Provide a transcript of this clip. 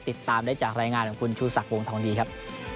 ติดตามได้จากรายงานของคุณชูศักดิ์วงทองดีครับ